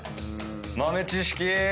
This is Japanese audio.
豆知識！